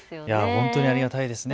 本当にありがたいです。